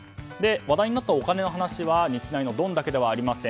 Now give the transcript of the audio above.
話題になったお金の話は日大のドンだけではありません。